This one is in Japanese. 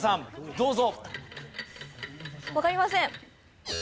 どうぞ。